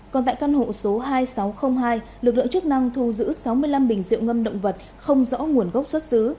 còn tại căn hộ số hai nghìn sáu trăm linh hai lực lượng chức năng thu giữ sáu mươi năm bình diệu ngâm động vật không rõ nguồn gốc xuất xứ